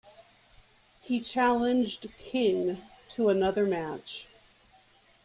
He challenged King to another match.